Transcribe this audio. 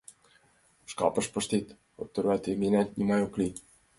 Шкапыш пыштет, от тарвате гынат, нимат ок лий...